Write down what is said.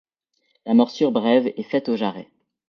La morsure brève est faite au jarret.